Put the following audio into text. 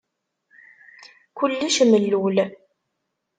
Kullec mellul.